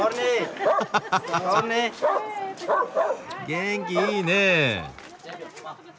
元気いいねえ。